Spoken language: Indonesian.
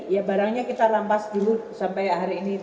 ya barangnya kita rampas dulu sampai hari ini